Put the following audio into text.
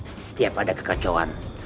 setiap ada kekecohan